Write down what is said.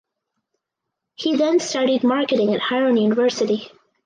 He then studied marketing at Harran University.